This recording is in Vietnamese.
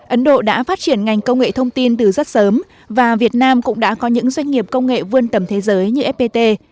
ấn độ đã phát triển ngành công nghệ thông tin từ rất sớm và việt nam cũng đã có những doanh nghiệp công nghệ vươn tầm thế giới như fpt